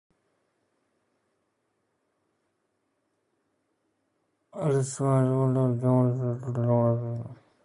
استاد ځواب ورکړ چې درېدا په پوسټ مدرن کې ژوند کاوه.